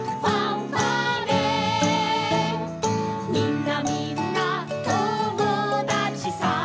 「みんなみんな友だちさ」